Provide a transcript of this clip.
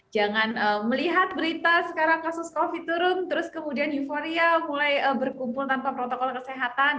jangan melihat berita sekarang kasus covid turun terus kemudian euforia mulai berkumpul tanpa protokol kesehatan